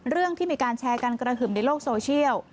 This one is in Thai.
เรื่องที่มีการแชร์กันกระหึ่มในโลกโซเชียล